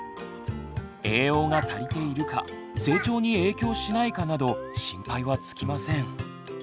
栄養が足りているか成長に影響しないかなど心配は尽きません。